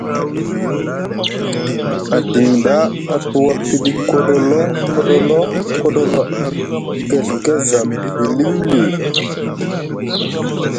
Adiŋ ɗa a tuwa piɗi koɗolo koɗolo koɗolo keɵke za biliwliw.